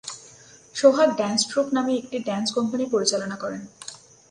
সোহাগ dance troupe নামে একটি dance company পরিচালনা করেন।